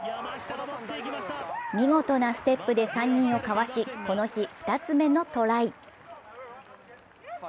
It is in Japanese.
見事なステップで３人をかわし、この日２つ目のトライ。